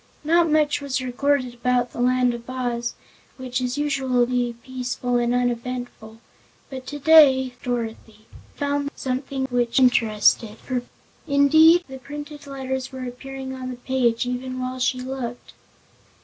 Not much was recorded about the Land of Oz, which is usually peaceful and uneventful, but today Dorothy found something which interested her. Indeed, the printed letters were appearing on the page even while she looked.